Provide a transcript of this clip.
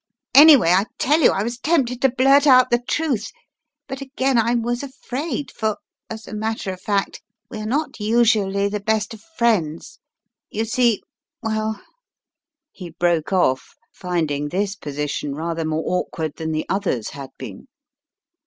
Any way, I tell you I was tempted to blurt out the truth, but again I was afraid, for, as a matter of fact, we are not usually the best of friends — you see, well " He broke off, finding this position rather more awkward than the others had been.